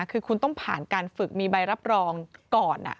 คือคุณต้องผ่านการฝึกมีใบรับรองก่อน